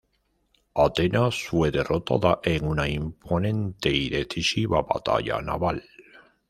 Atenas fue derrotada en una imponente y decisiva batalla naval.